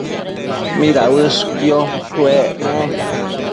¿mida uëshquio chuec ne?